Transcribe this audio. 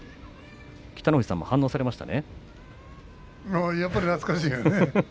北の富士さんも反応されましたね。